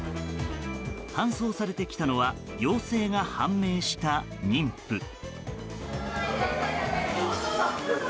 搬送されてきたのは陽性が判明した妊婦。